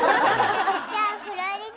じゃあフロリダ。